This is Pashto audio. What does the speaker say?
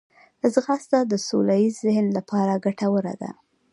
ځغاسته د سوله ییز ذهن لپاره ګټوره ده